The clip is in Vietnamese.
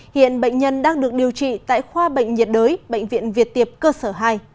hiện bệnh nhân đang được điều trị tại khoa bệnh nhiệt đới bệnh viện việt tiệp cơ sở hai